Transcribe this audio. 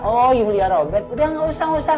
oh yulia robert udah gak usah usaha